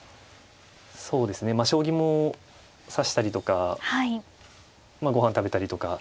そうですね将棋も指したりとかごはん食べたりとか。